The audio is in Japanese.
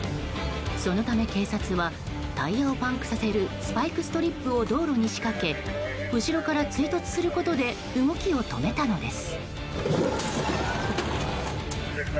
そのため警察はタイヤをパンクさせるスパイクストリップを道路に仕掛け後ろから追突することで動きを止めたのです。